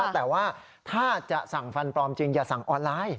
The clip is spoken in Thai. แต่ว่าถ้าจะสั่งฟันปลอมจริงอย่าสั่งออนไลน์